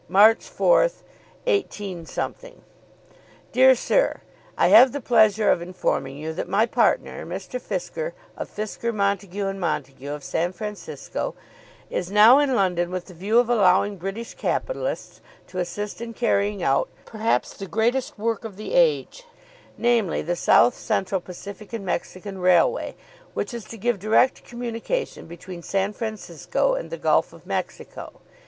March 4, 18 . DEAR SIR, I have the pleasure of informing you that my partner, Mr. Fisker, of Fisker, Montague, and Montague, of San Francisco, is now in London with the view of allowing British capitalists to assist in carrying out perhaps the greatest work of the age, namely, the South Central Pacific and Mexican Railway, which is to give direct communication between San Francisco and the Gulf of Mexico.